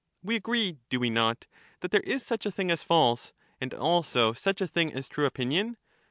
We agree— do we not? — that there is such a thing as false, and also such a thing as true opinion